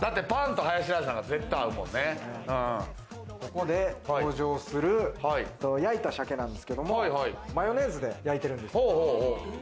ここで登場する、焼いた鮭なんですけども、マヨネーズで焼いてるんですよ。